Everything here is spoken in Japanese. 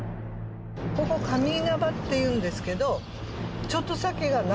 ここ上稲葉っていうんですけど。